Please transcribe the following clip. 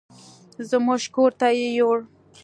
زموږ کور ته يې يوړل.